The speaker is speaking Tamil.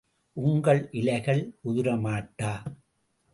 உங்கள் இலைகள் உதிரமாட்டா!